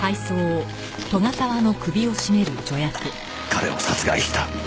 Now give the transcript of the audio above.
彼を殺害した。